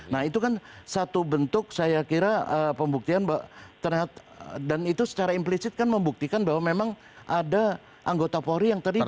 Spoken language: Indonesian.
nah itu kan satu bentuk saya kira pembuktian dan itu secara implisit kan membuktikan bahwa memang ada anggota polri yang terlibat